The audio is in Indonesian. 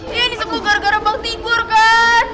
ini semua gara gara bang tigor kan